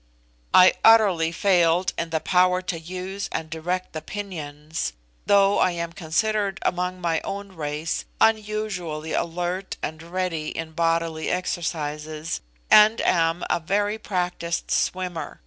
I utterly failed in the power to use and direct the pinions, though I am considered among my own race unusually alert and ready in bodily exercises, and am a very practiced swimmer.